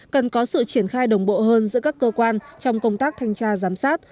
cần có sự triển khai đồng bộ hơn giữa các cơ quan trong công tác thanh tra giám sát